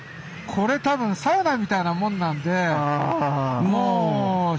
これ多分サウナみたいなもんなんで。